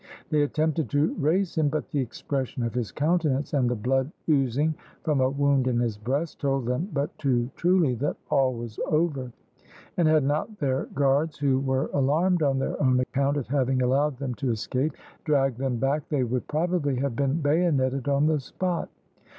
They attempted to raise him, but the expression of his countenance, and the blood oozing from a wound in his breast, told them but too truly that all was over; and had not their guards, who were alarmed on their own account at having allowed them to escape, dragged them back they would probably have been bayoneted on the spot.